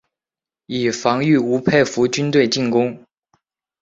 以防御吴佩孚军队进攻。